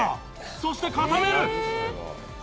そして固める！